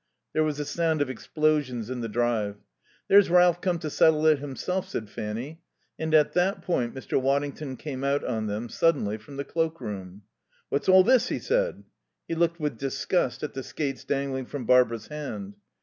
There was a sound of explosions in the drive. "There's Ralph come to settle it himself," said Fanny. And at that point, Mr. Waddington came out on them, suddenly, from the cloak room. "What's all this?" he said. He looked with disgust at the skates dangling from Barbara's hand.